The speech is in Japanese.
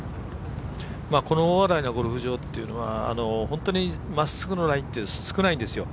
この大洗のゴルフ場っていうのは本当にまっすぐのラインって少ないんですよ。